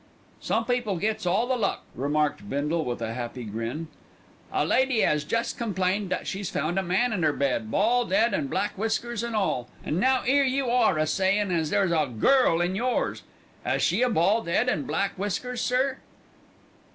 "Some people gets all the luck," remarked Bindle with a happy grin. "A lady 'as just complained that she's found a man in 'er bed, bald 'ead and black whiskers an' all, an' now 'ere are you a sayin' as there's a girl in yours. 'As she a bald 'ead and black whiskers, sir?"